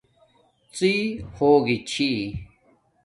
ڎی ہوگی چھی